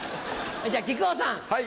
じゃ木久扇さん。